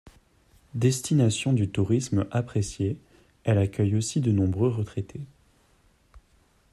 Destination de tourisme appréciée, elle accueille aussi de nombreux retraités.